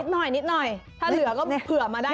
หน่อยนิดหน่อยถ้าเหลือก็เผื่อมาได้